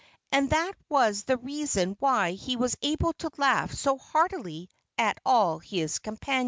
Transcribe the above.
And that was the reason why he was able to laugh so heartily at all his companions.